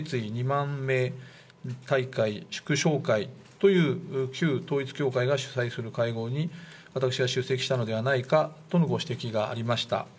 ２万名大会祝勝会という旧統一教会が主催する会合に、私が出席したのではないかとのご指摘がありました。